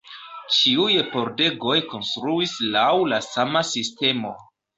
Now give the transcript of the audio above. Ĉiuj pordegoj konstruis laŭ la sama sistemo.